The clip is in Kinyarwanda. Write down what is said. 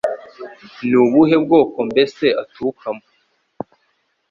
Ni ubuhe bwoko mbese aturukamo